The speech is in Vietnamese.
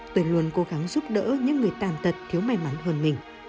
tôi luôn cố gắng giúp đỡ những người tàn tật thiếu may mắn hơn mình